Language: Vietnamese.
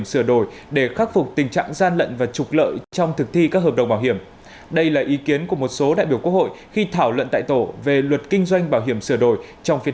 xin chào quý vị khán giả